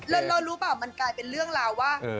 เรารู้เปล่ามันกลายเป็นเรื่องราวว่า